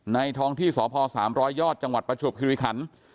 ในทองที่สสามร้อยยอดจังหวัดประชุบคิวริขัน